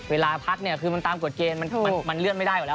เวลาพักเนี่ยคือมันตามกฎเกณฑ์มันเลื่อนไม่ได้อยู่แล้ว